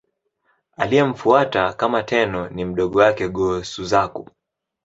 Aliyemfuata kama Tenno ni mdogo wake, Go-Suzaku.